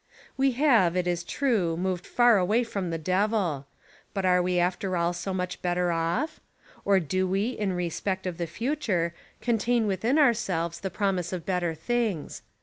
We have, it is true, moved far away from the Devil; but are we after all so much better off? or do we, in respect of the future, contain within ourselves the promise of better things.